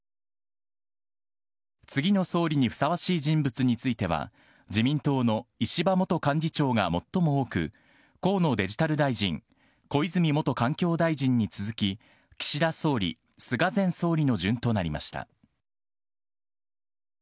次の総理にふさわしい人物については、自民党の石破元幹事長が最も多く、河野デジタル大臣、小泉元環境大臣に続き、岸田総理、菅前総理の順となりました。